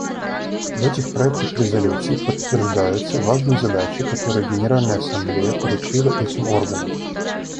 В этих проектах резолюций подтверждаются важные задачи, которые Генеральная Ассамблея поручила этим органам.